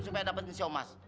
supaya dapetin si omas